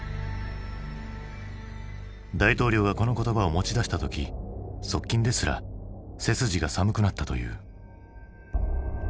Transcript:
大統領がこの言葉を持ち出した時側近ですら背筋が寒くなったという。